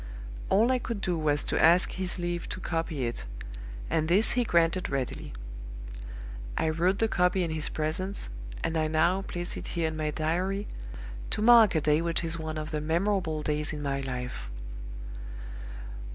All I could do was to ask his leave to copy it; and this he granted readily. I wrote the copy in his presence; and I now place it here in my diary, to mark a day which is one of the memorable days in my life.